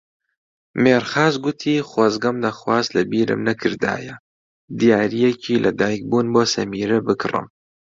مێرخاس گوتی خۆزگەم دەخواست لەبیرم نەکردایە دیارییەکی لەدایکبوون بۆ سەمیرە بکڕم.